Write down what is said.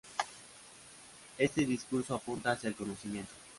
Este discurso apunta hacia el conocimiento.